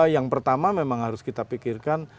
yang pertama memang harus kita pikirkan